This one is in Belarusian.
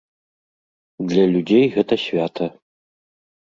Для людзей гэта свята.